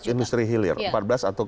industri hilir empat belas atau